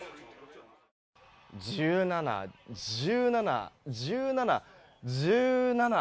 １７、１７１７、１７。